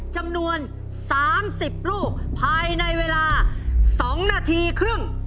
จำนวน๓๐ลูกภายในเวลา๒นาทีครึ่ง